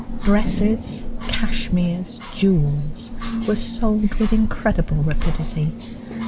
Dresses, cashmeres, jewels, were sold with incredible rapidity.